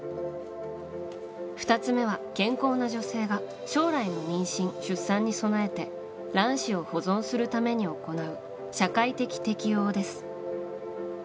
２つ目は、健康な女性が将来の妊娠・出産に備えて卵子を保存するために行う社会的適応です。